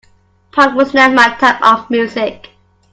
Punk was never my type of music.